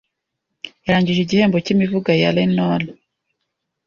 yarangije igihembo cy'imivugo ya Lenore